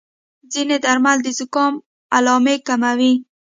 ځینې درمل د زکام علامې کموي.